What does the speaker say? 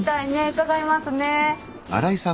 伺いますね。